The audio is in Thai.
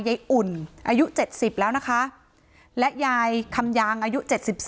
อุ่นอายุ๗๐แล้วนะคะและยายคำยางอายุ๗๔